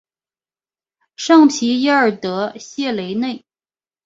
圣皮耶尔德谢雷内。